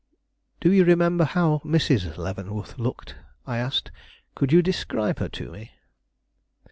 "Do you remember how Mrs. Leavenworth looked?" I asked. "Could you describe her to me?"